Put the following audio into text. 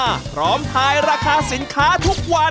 พร้อมทายราคาสินค้าทุกวัน